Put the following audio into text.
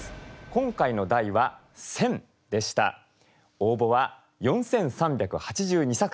応募は４，３８２作品。